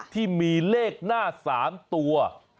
ที่มีเลขหน้า๓ตัว